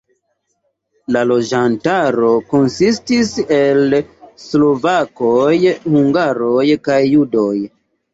La loĝantaro konsistis el slovakoj, hungaroj kaj judoj.